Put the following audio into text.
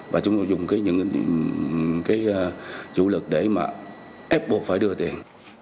và chúng tôi dùng những vũ lực để ép buộc phải đưa tiền